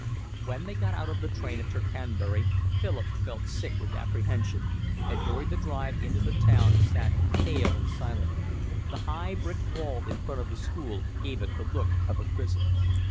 When they got out of the train at Tercanbury, Philip felt sick with apprehension, and during the drive in to the town sat pale and silent. The high brick wall in front of the school gave it the look of a prison.